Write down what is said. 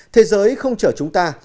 thế giới không chở chúng ta